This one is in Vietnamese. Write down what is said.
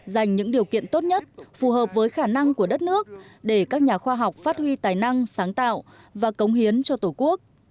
dành những điều kiện tốt nhất phù hợp với khả năng của đất nước để các nhà khoa học phát huy tài năng sáng tạo và cống hiến cho tổ quốc